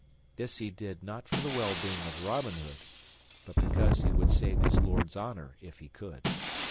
This he did not for the well being of Robin Hood, but because he would save his lord's honor if he could.